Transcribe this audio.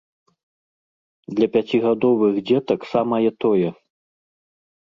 Для пяцігадовых дзетак самае тое.